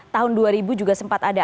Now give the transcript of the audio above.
tahun dua ribu juga sempat ada